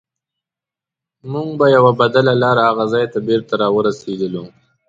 موږ په یوه بدله لار هغه ځای ته بېرته راورسیدلو.